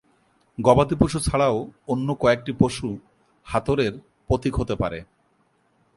গবাদি পশু ছাড়াও অন্য কয়েকটি পশু হাথোরের প্রতীক হতে পারে।